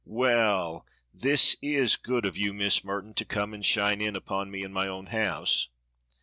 "Well, this is good of you, Miss Merton, to come and shine in upon me in my own house."